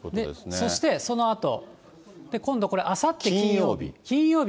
そしてそのあと、今度これ、あさって金曜日。